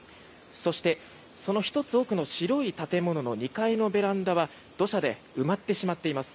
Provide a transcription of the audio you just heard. そして、その１つ奥の白い建物の２階のベランダは土砂で埋まってしまっています。